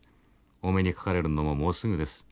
お目にかかれるのももうすぐです。